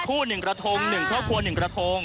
๑กระทง๑ครอบครัว๑กระทง